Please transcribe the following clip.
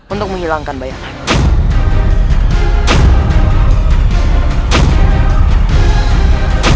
untuk menghilangkan bayangan